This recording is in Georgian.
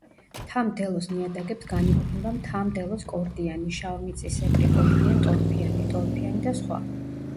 მთა-მდელოს ნიადაგებს განეკუთვნება მთა-მდელოს კორდიანი, შავმიწისებრი, კორდიან-ტორფიანი, ტორფიანი და სხვა.